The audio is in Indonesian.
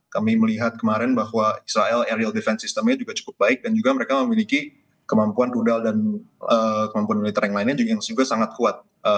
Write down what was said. kami melihat kemarin bahwa israel ariel defense systemnya juga cukup baik dan juga mereka memiliki kemampuan rudal dan kemampuan militer yang lainnya yang juga sangat kuat